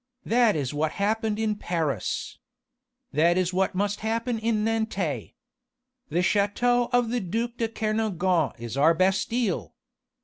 That is what happened in Paris! That is what must happen in Nantes. The château of the duc de Kernogan is our Bastille!